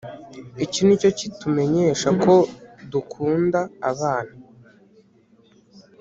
Iki ni cyo kitumenyesha ko dukunda abana